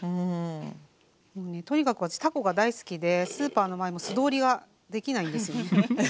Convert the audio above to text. とにかく私たこが大好きでスーパーの前も素通りができないんですよね。